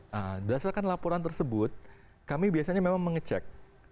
nah berdasarkan laporan tersebut kami biasanya memang mengecek